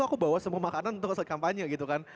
aku bawa semua makanan untuk saat kampanye gitu kan